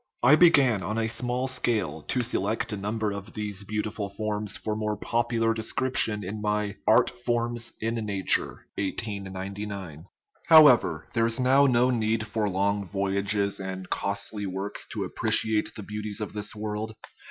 I 341 THE RIDDLE OF THE UNIVERSE began on a small scale to select a number of these beautiful forms for more popular description in my Art Forms in Nature (1899). However, there is now no need for long voyages and costly works to appreciate the beauties of this world.